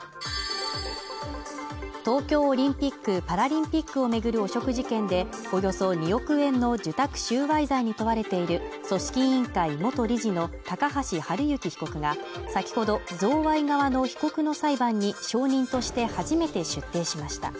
東京オリンピック・パラリンピックを巡る汚職事件でおよそ２億円の受託収賄罪に問われている組織委員会元理事の高橋治之被告が先ほど贈賄側の被告の裁判に証人として初めて出廷しました